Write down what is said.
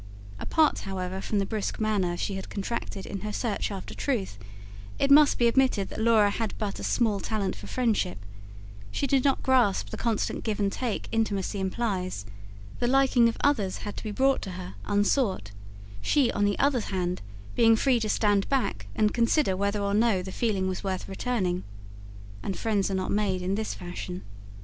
Apart however from the brusque manner she had contracted, in her search after truth, it must be admitted that Laura had but a small talent for friendship; she did not grasp the constant give and take intimacy implies; the liking of others had to be brought to her, unsought, she, on the other hand, being free to stand back and consider whether or no the feeling was worth returning. And friends are not made in this fashion.